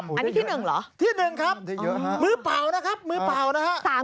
อันนี้ที่หนึ่งเหรอที่๑ครับมือเป่านะครับมือเปล่านะฮะ